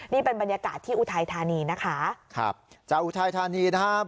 นี่เป็นบรรยากาศที่อุทัยธานีนะคะครับจากอุทัยธานีนะครับ